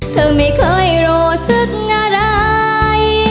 เธอไม่เคยโรศึกอะไร